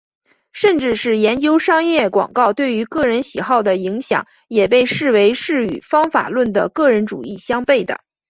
甚至是研究商业广告对于个人喜好的影响也被视为是与方法论的个人主义相背的。